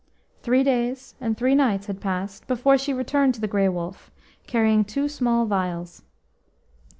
Three days and three nights had passed before she returned to the Grey Wolf, carrying two small vials.